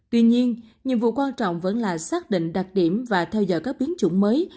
tuy nhiên nhiệm vụ quan trọng vẫn là xác định đặc điểm và theo giờ các biến chủng mới